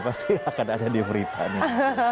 pasti akan ada di beritanya